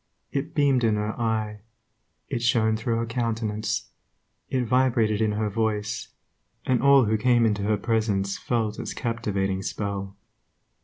It beamed in her eye; it shone through her countenance; it vibrated in her voice; and all who came into her presence felt its captivating spell.